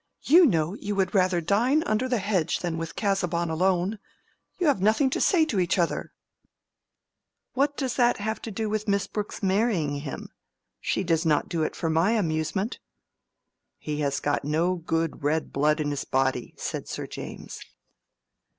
You know you would rather dine under the hedge than with Casaubon alone. You have nothing to say to each other." "What has that to do with Miss Brooke's marrying him? She does not do it for my amusement." "He has got no good red blood in his body," said Sir James.